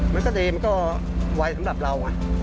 มันก็ดีมันก็ไว้สำหรับเรา